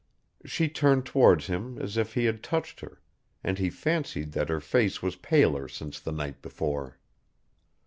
. she turned towards him as if he had touched her, and he fancied that her face was paler since the night before.